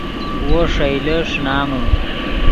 وو ݰئیلے ݰینامے